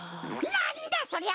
なんだそりゃ！